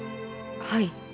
はい。